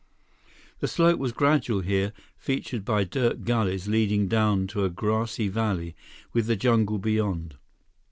The slope was gradual here, featured by dirt gullies leading down to a grassy valley, with the jungle beyond.